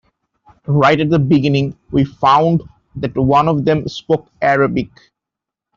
Right at the beginning, we found that one of them spoke Arabic.